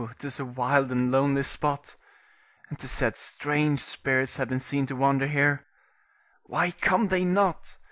'Tis a wild and lonely spot, and 'tis said strange spirits have been seen to wander here. Why come they not?